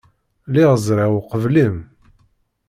Lliɣ ẓriɣ uqbel-im.